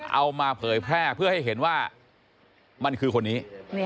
เอามาเผยแพร่เพื่อให้เห็นว่ามันคือคนนี้